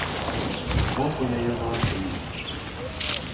Нос у яе завастрыўся.